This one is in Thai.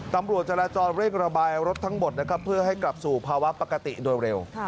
ตำรวจจราจรเร่งระบายรถทั้งหมดนะครับเพื่อให้กลับสู่ภาวะปกติโดยเร็ว